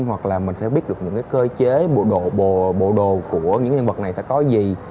hoặc là mình sẽ biết được những cái cơ chế bộ đồ của những nhân vật này sẽ có gì